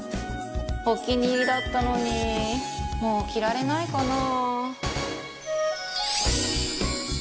お気に入りだったのにもう着られないかな？